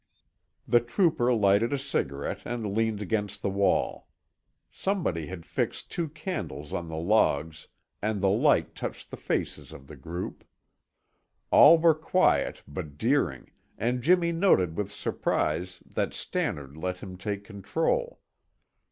The trooper lighted a cigarette and leaned against the wall. Somebody had fixed two candles on the logs and the light touched the faces of the group. All were quiet but Deering, and Jimmy noted with surprise that Stannard let him take control.